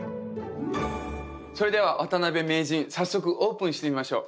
それでは渡辺名人早速オープンしてみましょう。